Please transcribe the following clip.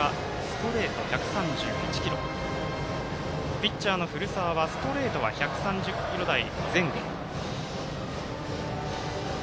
ピッチャーの古澤はストレートは１３０キロ台前後。